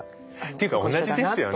っていうか同じですよね。